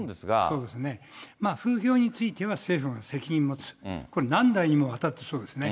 そうですね、風評については政府が責任を持つ、これ、何代にもわたってそうですね。